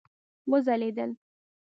وځلیدل